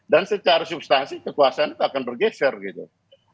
dan secara substansi kekuasaan itu akan bergeser gitu